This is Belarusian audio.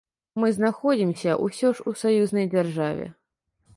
Мы знаходзімся ўсё ж у саюзнай дзяржаве.